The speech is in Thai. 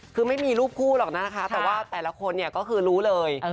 คือไม่มีรูปคู่หรอกนะคะแต่ว่าแต่ละคนเนี่ยก็คือรู้เลย